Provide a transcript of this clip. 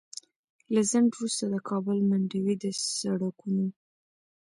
له ځنډ وروسته د کابل منډوي د سړکونو